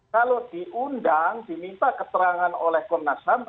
kalau diundang diminta keterangan oleh komnas ham